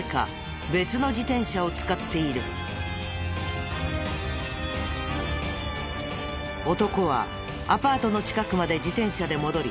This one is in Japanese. なぜか男はアパートの近くまで自転車で戻り